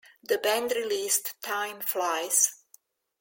The band released Time Flies...